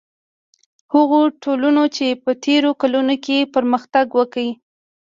هغو ټولنو چې په تېرو کلونو کې پرمختګ وکړ.